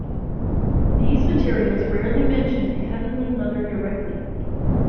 These materials rarely mention heavenly Mother directly.